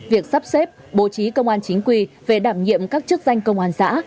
việc sắp xếp bố trí công an chính quy về đảm nhiệm các chức danh công an xã